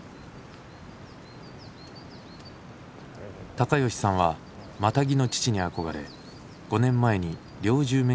貴吉さんはマタギの父に憧れ５年前に猟銃免許を取得した。